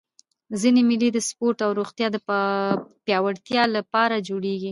ځيني مېلې د سپورټ او روغتیا د پیاوړتیا له پاره جوړېږي.